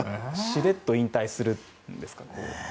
しれっと引退するんですかね。